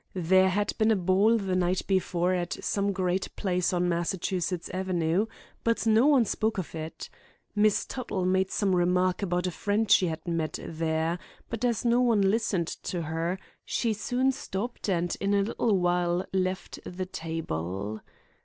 There had been a ball the night before at some great place on Massachusetts Avenue; but no one spoke of it. Miss Tuttle made some remark about a friend she had met there, but as no one listened to her, she soon stopped and in a little while left the table.